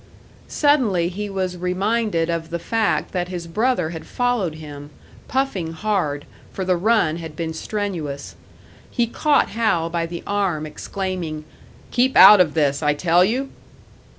Suddenly he was reminded of the fact that his brother had followed him puffing hard, for the run had been strenuous. He caught Hal by the arm, exclaiming, "Keep out of this, I tell you!"